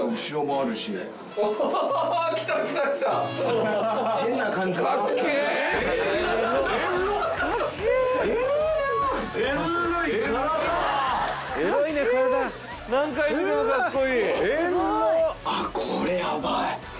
あっこれヤバい。